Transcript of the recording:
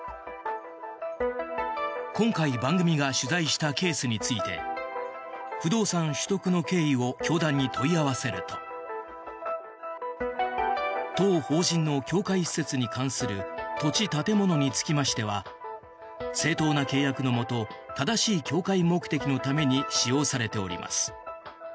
今回、番組が取材したケースについて不動産取得の経緯を教団に問い合わせると当法人の教会施設に関する土地・建物につきましては正当な契約のもと正しい教会目的のために使用されております。